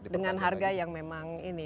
dengan harga yang memang ini